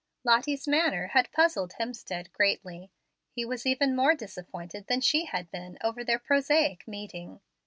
Lottie's manner had puzzled Hemstead greatly. He was even more disappointed than she had been over their prosaic meeting.